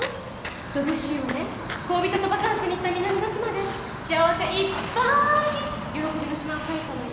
ドビュッシーはね恋人とバカンスに行った南の島で幸せいっぱーいに『喜びの島』を書いたのよ。